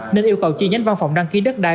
nên yêu cầu chi nhánh văn phòng đăng ký đất đai